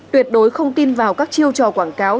tuyệt đối không tin vào các chiêu trò quảng cáo